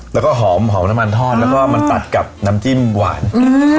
แล้วก็หอมหอมน้ำมันทอดแล้วก็มันตัดกับน้ำจิ้มหวาน